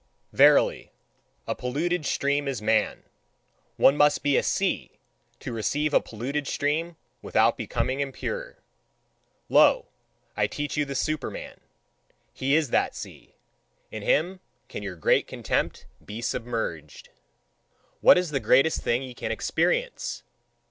Verily, a polluted stream is man. One must be a sea, to receive a polluted stream without becoming impure. Lo, I teach you the Superman: he is that sea; in him can your great contempt be submerged. What is the greatest thing ye can experience?